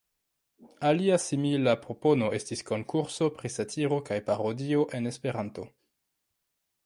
Alia simila propono estis konkurso pri satiro kaj parodio en Esperanto.